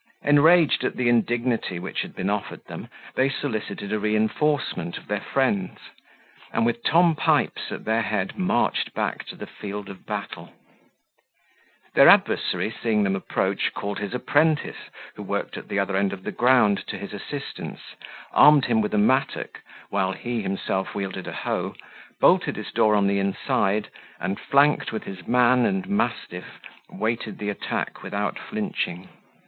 Enraged at the indignity which had been offered them, they solicited a reinforcement of their friends, and, with Tom Pipes at their head, marched back to the field of battle. Their adversary, seeing them approach, called his apprentice, who worked at the other end of the ground, to his assistance, armed him with a mattock, while he himself wielded a hoe, bolted his door on the inside, and, flanked with his man and mastiff, waited the attack without flinching.